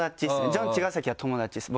ジョン茅ヶ崎は友達です